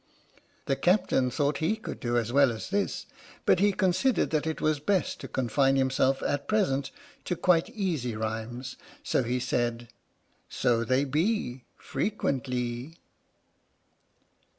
The captain thought he could do as well as this, but he considered that it was best to confine himself at present to quite easy rhymes, so he said: So they be Frequentlee.